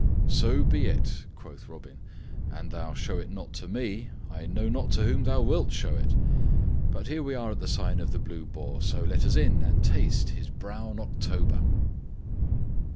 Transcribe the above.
"So be it," quoth Robin. "And thou show it not to me I know not to whom thou wilt show it. But here we are at the Sign of the Blue Boar, so let us in and taste his brown October."